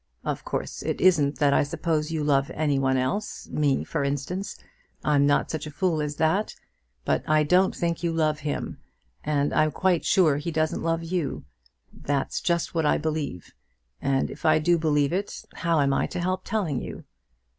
Of course it isn't that I suppose you love any one else, me for instance. I'm not such a fool as that. But I don't think you love him; and I'm quite sure he doesn't love you. That's just what I believe; and if I do believe it, how am I to help telling you?"